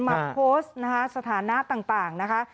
มาโพสต์นะคะสถานะต่างนะคะ